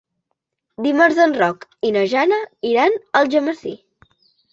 Dimarts en Roc i na Jana iran a Algemesí.